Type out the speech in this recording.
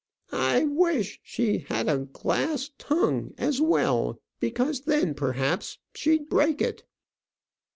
"I wish she had a glass tongue as well, because then perhaps she'd break it."